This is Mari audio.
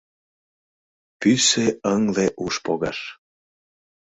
Пӱсӧ-ыҥле уш погаш